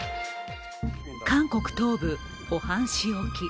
韓国東部・ポハン市沖。